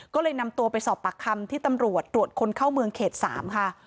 ก็เลยนำตัวไปสอบปากคำที่ตำรวจตรวจคนเข้าเมืองเขต๓ค่ะ